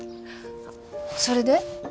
それで？